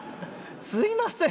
すいません。